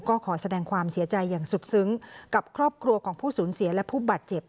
ก็ขอแสดงความเสียใจอย่างสุดซึ้งกับครอบครัวของผู้สูญเสียและผู้บาดเจ็บ